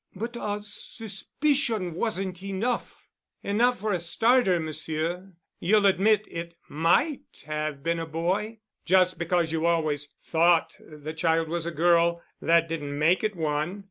"But a suspicion wasn't enough——" "Enough for a starter, Monsieur. You'll admit, it might have been a boy. Just because you always thought the child was a girl, that didn't make it one.